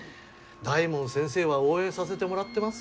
大門先生は応援させてもらってますよ。